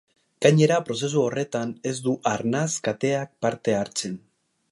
Gainera, prozesu horretan ez du arnas kateak parte hartzen.